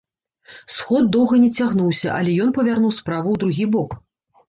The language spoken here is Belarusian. Сход доўга не цягнуўся, але ён павярнуў справу ў другі бок.